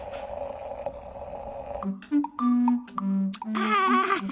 ああ。